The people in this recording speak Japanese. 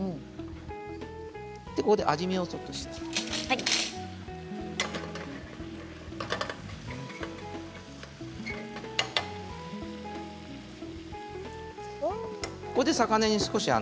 ここで味見をちょっとします。